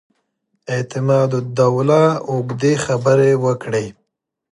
اعتماد الدوله اوږدې خبرې وکړې.